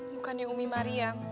bukannya umi maryam